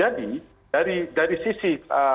jadi dari sisi